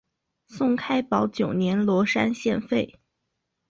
宋开宝九年罗山县废。